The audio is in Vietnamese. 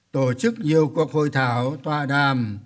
tổ chức nhiều cuộc hội thảo tòa đàm